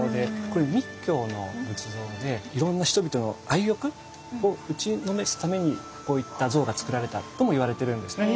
これ密教の仏像でいろんな人々の愛欲を打ちのめすためにこういった像が造られたともいわれてるんですね。